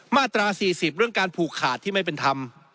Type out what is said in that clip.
มาตรา๔๐เรื่องการผูกขาดที่ไม่เป็นธรรม